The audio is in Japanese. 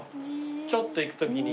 ちょっと行くときに。